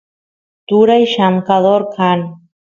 turay llamkador kan